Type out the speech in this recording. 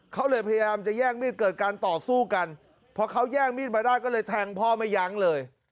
เขาเลยพยายามจะแย่งมีดเกิดการต่อสู้กันพอเขาแย่งมีดมาได้ก็เลยแทงพ่อไม่ยั้งเลย